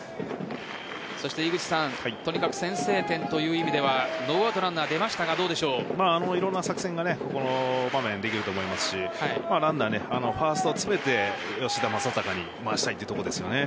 そしてとにかく先制点という意味ではノーアウトランナー出ましたがいろんな作戦がこの場面できると思いますしランナー、ファースト詰めて吉田正尚に回したいところですよね。